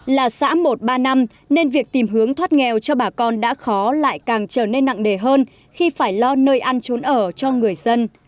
là xã một ba năm nên việc tìm hướng thoát nghèo cho bà con đã khó lại càng trở nên nặng đề hơn khi phải lo nơi ăn trốn ở cho người dân